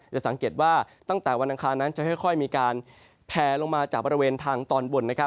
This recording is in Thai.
จะสังเกตว่าตั้งแต่วันอังคารนั้นจะค่อยมีการแผลลงมาจากบริเวณทางตอนบน